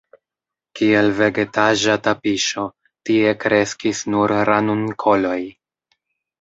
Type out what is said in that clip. Kiel vegetaĵa tapiŝo tie kreskis nur ranunkoloj.